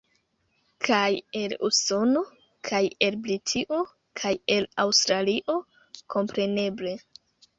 Kaj el Usono, kaj el Britio, kaj el Aŭstralio, kompreneble.